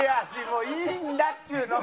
もういいんだっちゅうの！